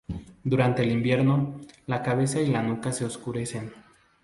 Durante el invierno, la cabeza y la nuca se oscurecen.